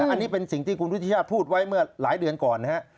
อันนี้เป็นสิ่งที่กรุงวิทยาศาสตร์พูดไว้เมื่อหลายเดือนก่อนนะครับ